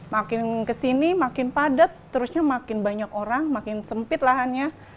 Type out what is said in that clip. makin kesini makin padat terusnya makin banyak orang makin sempit lahannya